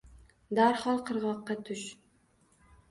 — Darhol qirg‘oqqa tush!